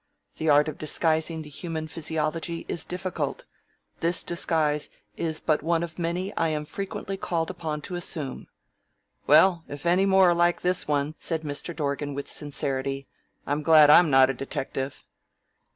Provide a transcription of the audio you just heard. The art of disguising the human physiology is difficult. This disguise is but one of many I am frequently called upon to assume." "Well, if any more are like this one," said Mr. Dorgan with sincerity, "I'm glad I'm not a detective."